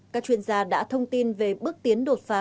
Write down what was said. các chuyên gia đã thông tin về bước tiến đột phá